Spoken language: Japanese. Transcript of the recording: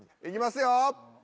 行きますよ！